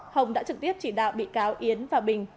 hồng đã trực tiếp chỉ đạo bị cáo yến và bình